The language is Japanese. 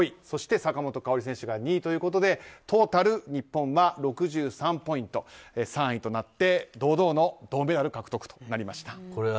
そして坂本花織選手が２位ということでトータル日本が６３ポイント３位となって堂々の銅メダル獲得となりました。